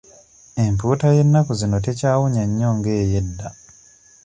Empuuta y'ennaku zino tekyawunnya nnyo nga ey'edda.